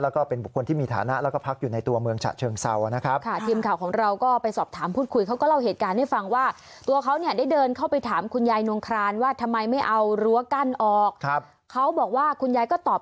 แล้วก็เป็นบุคคลที่มีฐานะแล้วก็พักอยู่ในตัวเมืองฉะเชิงเซานะครับ